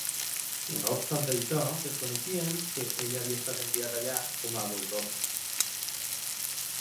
No obstant això, desconeixien que ell havia estat enviat allà com a voivoda.